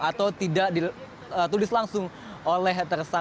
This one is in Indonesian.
atau tidak ditulis langsung oleh tersangka irman gusman